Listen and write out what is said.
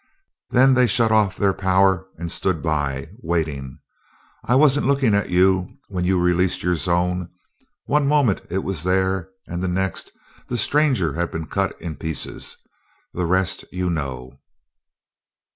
Then they shut off their power and stood by, waiting. I wasn't looking at you when you released your zone. One moment it was there, and the next, the stranger had been cut in pieces. The rest you know."